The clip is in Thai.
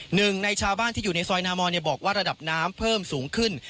หนึ่งในชาวบ้านที่อยู่ในซอยนามอนบอกว่าระดับน้ำเพิ่มสูงขึ้น